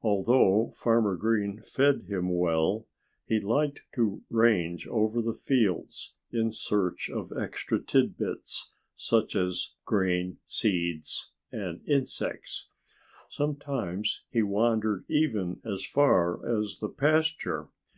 Although Farmer Green fed him well, he liked to range over the fields in search of extra tidbits, such as grain, seeds and insects. Sometimes he wandered even as far as the pasture.